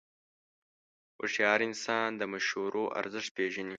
هوښیار انسان د مشورو ارزښت پېژني.